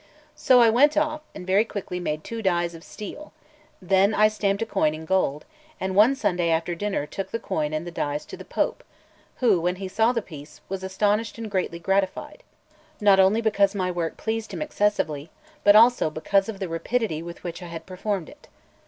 So I went off, and very quickly made two dies of steel; then I stamped a coin in gold, and one Sunday after dinner took the coin and the dies to the Pope, who, when he saw the piece, was astonished and greatly gratified, not only because my work pleased him excessively, but also because of the rapidity with which I had performed it.